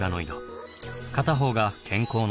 片方が健康な状態